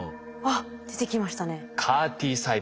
あっ出てきましたね。